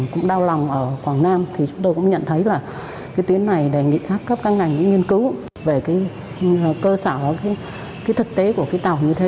chúng tôi cũng nhận thấy là tuyến này đề nghị các ngành nghiên cứu về cơ sở thực tế của tàu như thế